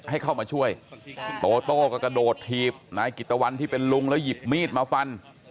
ให้เข้ามาช่วยโตโต้ก็กระโดดถีบนายกิตตะวันที่เป็นลุงแล้วหยิบมีดมาฟัน